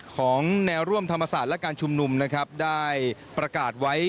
ของแนวร่วมธรรมศาสตร์และการชุมนุมนะครับได้ประกาศไว้